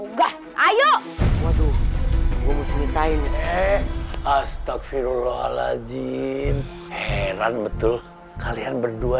enggak ayo gue tuh gue mau selesai nih astagfirullahaladzim heran betul kalian berdua